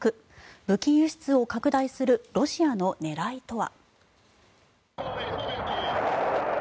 武器輸出を拡大するロシアの狙いとは。